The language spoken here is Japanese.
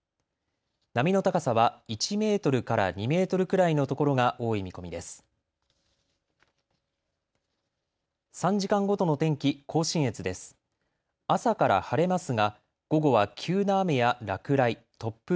波の高さは１メートルから２メートルくらいの所が多い見込みです。